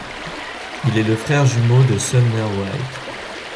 Il est le frère jumeau de Sumner White.